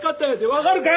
わかるか！？